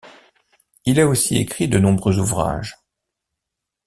Il a aussi écrit de nombreux ouvrages.